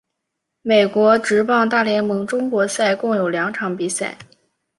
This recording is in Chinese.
美国职棒大联盟中国赛共有两场比赛。